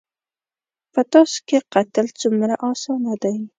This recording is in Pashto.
_په تاسو کې قتل څومره اسانه دی.